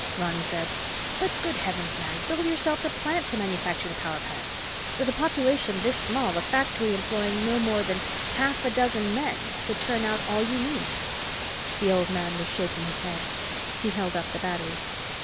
Ronny said, "But, good heavens, man, build yourselves a plant to manufacture power packs. With a population this small, a factory employing no more than half a dozen men could turn out all you need." The old man was shaking his head. He held up the battery.